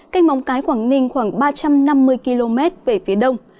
canh mong cái quảng ninh khoảng ba trăm năm mươi km về phía đông